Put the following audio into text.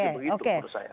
yang itu begitu menurut saya